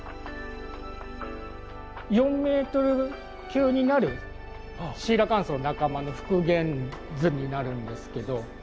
４ｍ級になるシーラカンスの仲間の復元図になるんですけど。